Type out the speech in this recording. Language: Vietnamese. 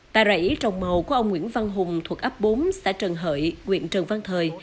tài rãi trồng màu của ông nguyễn văn hùng thuộc áp bốn xã trần hợi nguyện trần văn thời